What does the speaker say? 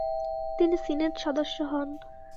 তিনি সিনেট সদস্য হন।